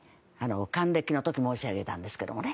還暦の時申し上げたんですけどもね